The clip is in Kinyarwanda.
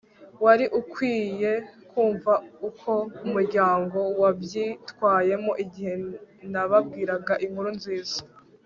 wari ukwiye kumva uko umuryango wabyitwayemo igihe nababwiraga inkuru nziza